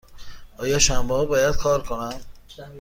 آیا شنبه ها باید کار کنم؟